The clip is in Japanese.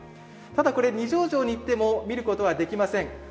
ただこれ二条城に行っても見ることはできません。